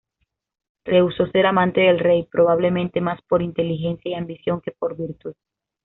Rehusó ser amante del rey, probablemente más por inteligencia y ambición que por virtud.